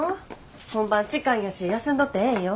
本番近いんやし休んどってええんよ。